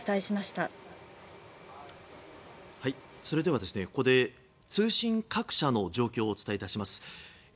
それではここで通信各社の状況をお伝えします。